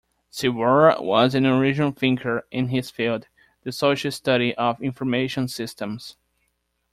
Ciborra was an original thinker in his field: the Social Study of Information Systems.